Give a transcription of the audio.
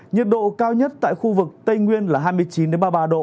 nhiệt độ cao nhất tại khu vực tây nguyên là hai mươi chín ba mươi ba độ